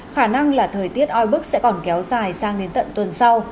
khả năng là thời tiết oi bức sẽ còn kéo dài sang đến tận tuần sau